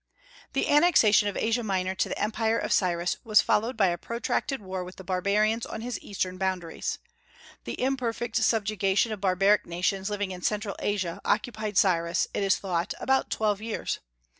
The annexation of Asia Minor to the empire of Cyrus was followed by a protracted war with the barbarians on his eastern boundaries. The imperfect subjugation of barbaric nations living in Central Asia occupied Cyrus, it is thought, about twelve years.